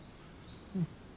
うん。